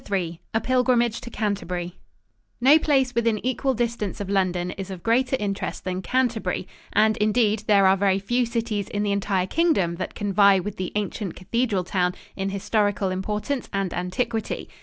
III A PILGRIMAGE TO CANTERBURY No place within equal distance of London is of greater interest than Canterbury, and, indeed, there are very few cities in the entire Kingdom that can vie with the ancient cathedral town in historical importance and antiquity.